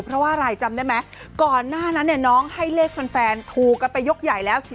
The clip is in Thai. เพราะว่าอะไรจำได้ไหมก่อนหน้านั้นเนี่ยน้องให้เลขแฟนถูกกันไปยกใหญ่แล้ว